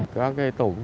chứ không có diễn đàn gì